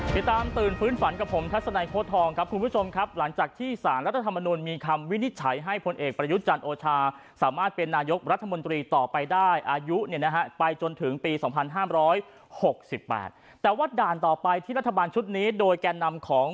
ตื่นฟื้นฝันกับผมทัศนัยโค้ดทองครับคุณผู้ชมครับหลังจากที่สารรัฐธรรมนุนมีคำวินิจฉัยให้พลเอกประยุทธ์จันทร์โอชาสามารถเป็นนายกรัฐมนตรีต่อไปได้อายุเนี่ยนะฮะไปจนถึงปี๒๕๖๘แต่ว่าด่านต่อไปที่รัฐบาลชุดนี้โดยแก่นำของ